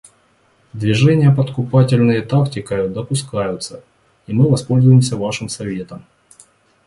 Движения подкупательные тактикою допускаются, и мы воспользуемся вашим советом.